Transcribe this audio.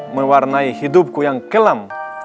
mewarnai hidupku yang kelam